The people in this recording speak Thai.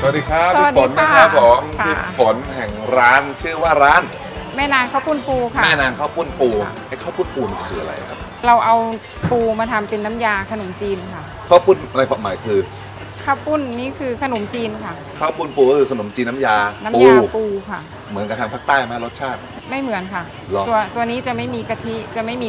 สวัสดีค่ะสวัสดีค่ะสวัสดีค่ะสวัสดีค่ะสวัสดีค่ะสวัสดีค่ะสวัสดีค่ะสวัสดีค่ะสวัสดีค่ะสวัสดีค่ะสวัสดีค่ะสวัสดีค่ะสวัสดีค่ะสวัสดีค่ะสวัสดีค่ะสวัสดีค่ะสวัสดีค่ะสวัสดีค่ะสวัสดีค่ะสวัสดีค่ะสวัสดีค่ะสวัสดีค่ะส